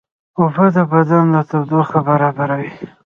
اوبه د بدن تودوخه برابروي